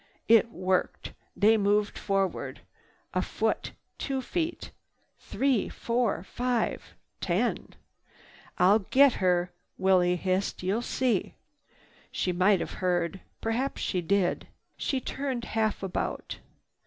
It worked. They moved forward. A foot, two feet, three, four, five, ten. "I'll get her!" Willie hissed. "You'll see!" She might have heard. Perhaps she did. She turned half about.